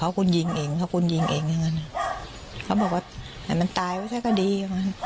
เขาคุณยิงเองเขาคุณยิงเองอย่างนั้นเขาบอกว่าให้มันตายไปซะก็ดี